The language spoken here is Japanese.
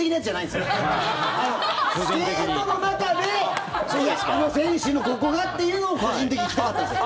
スケートの中で選手のここがっていうのを個人的、聞きたかったんですよ。